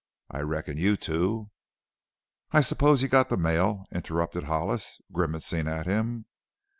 I reckon you two " "I suppose you got the mail?" interrupted Hollis, grimacing at him.